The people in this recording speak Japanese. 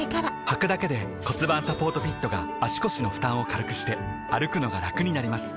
はくだけで骨盤サポートフィットが腰の負担を軽くして歩くのがラクになります